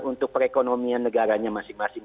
untuk perekonomian negaranya masing masing